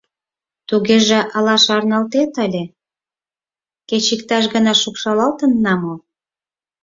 — Тугеже ала шарналтет ыле, кеч иктаж гана шупшалалтынна мо?